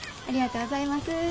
ありがとうございます。